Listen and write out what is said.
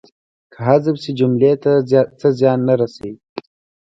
که حذف شي جملې ته څه زیان نه رسوي.